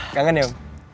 kangen ya om